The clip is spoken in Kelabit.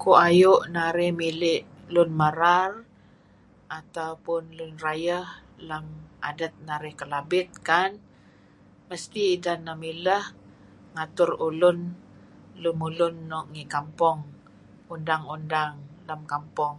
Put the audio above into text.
Kuayu' narih mili' lun merar atau pun lun rayeh lem adet narih Kelabit kan, mesti ideh neh mileh ngatur ulun lemulun nuk ngi kampung, undang-undang lem kampung.